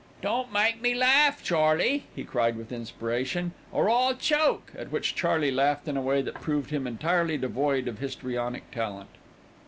"Don't make me laugh, Charley," he cried with inspiration, "or I'll choke," at which Charley laughed in a way that proved him entirely devoid of histrionic talent.